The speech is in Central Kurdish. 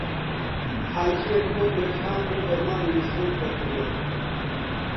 حاجییەک تۆپێک خام بۆ بەرماڵی مزگەوت دەکڕێ